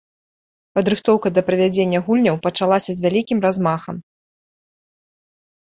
Падрыхтоўка да правядзення гульняў пачалася з вялікім размахам.